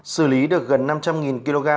xử lý được gần năm trăm linh kg